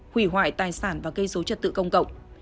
hủy hoại tài sản và gây dấu chất tự công cộng